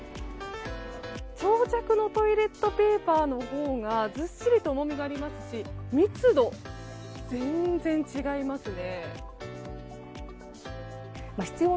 長尺のトイレットペーパーのほうがずっしりと重みがありますし密度も全然違いますね。